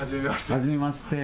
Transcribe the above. はじめまして。